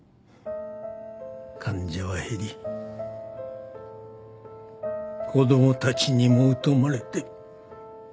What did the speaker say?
患者は減り子供たちにも疎まれて。